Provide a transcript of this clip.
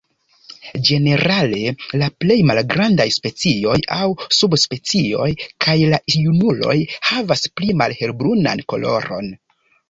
Ĝenerale la plej malgrandaj specioj aŭ subspecioj kaj la junuloj havas pli malhelbrunan koloron.